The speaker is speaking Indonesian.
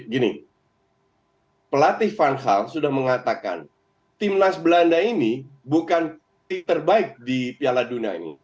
gini pelatih van hall sudah mengatakan timnas belanda ini bukan terbaik di piala dunia ini